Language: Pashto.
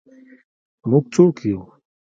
موږ څوک یو؟